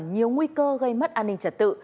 nhiều nguy cơ gây mất an ninh trật tự